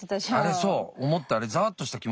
あれそう思ったあれざわっとした気持ちが。